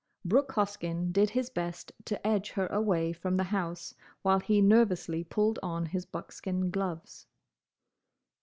Brooke Hoskyn did his best to edge her away from the house while he nervously pulled on his buckskin gloves.